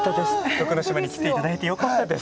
徳之島に来ていただいてよかったです。